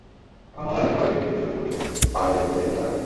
এখন মহল্লার একজনের বাড়িতে একটি ঝুপড়িঘরে শকুনটিকে পায়ে দড়ি বেঁধে রাখা হয়েছে।